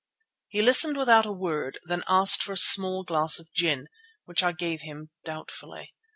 He listened without a word, then asked for a small glass of gin, which I gave him doubtfully.